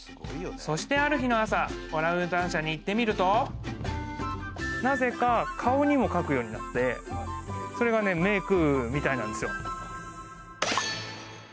そしてある日の朝オランウータン舎に行ってみるとなぜか顔にも描くようになってそれがねメークみたいなんですよ